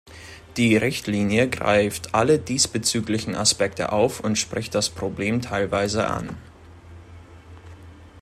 Die Richtlinie greift alle diesbezüglichen Aspekte auf und spricht das Problem teilweise an.